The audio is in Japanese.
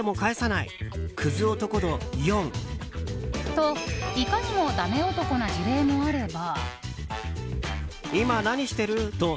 と、いかにもダメ男な事例もあれば。